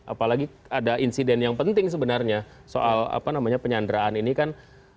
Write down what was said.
apalagi ada insiden yang penting sebenarnya soal apa namanya penyanderaan ini kan